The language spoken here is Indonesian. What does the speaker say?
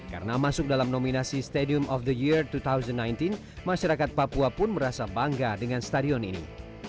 karena masuk dalam nominasi stadium of the year dua ribu sembilan belas masyarakat papua pun merasa bangga dengan stadion ini